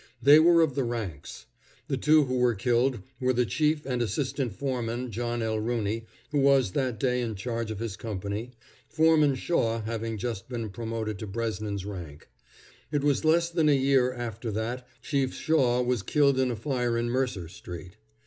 They were of the ranks. The two who were killed were the chief and Assistant Foreman John L. Rooney, who was that day in charge of his company, Foreman Shaw having just been promoted to Bresnan's rank. It was less than a year after that Chief Shaw was killed in a fire in Mercer street.